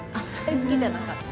好きじゃなかった。